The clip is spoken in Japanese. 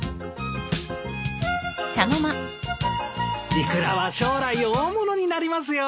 イクラは将来大物になりますよ。